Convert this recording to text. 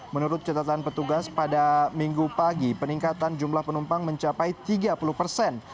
menurut catatan petugas pada minggu pagi peningkatan jumlah penumpang mencapai tiga puluh persen